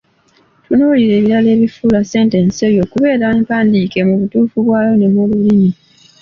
Tunuulira ebirala ebifuula sentensi eyo okubeera empandiike mu butuufu bwayo ne mu lulimi.